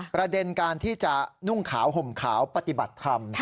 ประเด็นการที่จะนุ่งขาวห่มขาวปฏิบัติธรรม